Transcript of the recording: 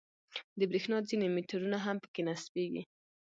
د برېښنا ځینې میټرونه هم په کې نصبېږي.